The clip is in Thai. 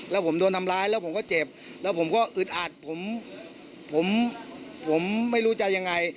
แล้วผมโดนทำร้ายแล้วผมก็เจ็บแล้วผมก็อึดอัดผมผมไม่รู้จะยังไง